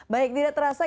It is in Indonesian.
baik tidak terasa